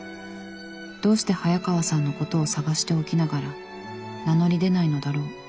どうして早川さんのことを探しておきながら名乗り出ないのだろう。